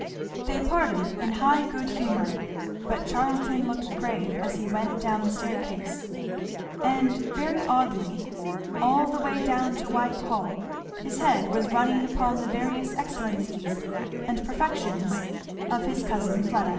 They parted in high good humour; but Charlton looked grave as he went down the staircase; and very oddly all the way down to Whitehall his head was running upon the various excellencies and perfections of his cousin Fleda.